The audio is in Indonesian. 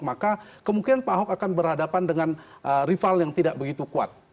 maka kemungkinan pak ahok akan berhadapan dengan rival yang tidak begitu kuat